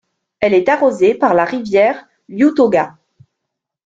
Elle est arrosée par la rivière Lioutoga.